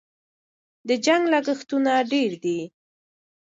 د جنګ لګښتونه ډېر دي.